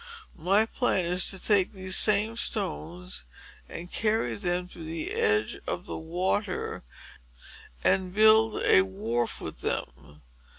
My plan is to take these same stones, and carry them to the edge of the water and build a wharf with them.